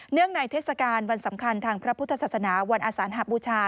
งในเทศกาลวันสำคัญทางพระพุทธศาสนาวันอสานหบูชา